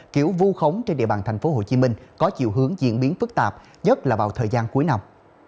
kiểu vu khống trên địa bàn tp hcm có chiều hướng diễn biến phức tạp nhất là vào thời gian cuối năm